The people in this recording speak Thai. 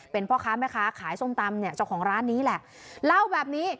เป็นพ่อค้าแม่ค้าขายส้มตำเนี่ยเจ้าของร้านนี้แหละเล่าแบบนี้